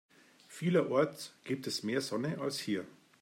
Vielerorts gibt es mehr Sonne als hier.